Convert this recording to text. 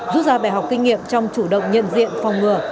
rút ra bài học kinh nghiệm trong chủ động nhận diện phòng ngừa